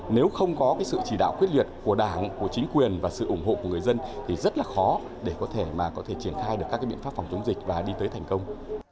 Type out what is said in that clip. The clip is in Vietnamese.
nếu không có sự chỉ đạo quyết liệt của đảng của chính quyền và sự ủng hộ của người dân thì rất là khó để có thể có thể triển khai được các biện pháp phòng chống dịch và đi tới thành công